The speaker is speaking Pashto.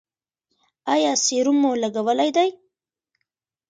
ایا سیروم مو لګولی دی؟